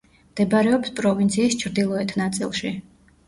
მდებარეობს პროვინციის ჩრდილოეთ ნაწილში.